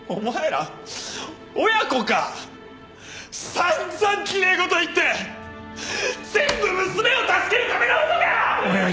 散々きれい事言って全部娘を助けるための嘘か！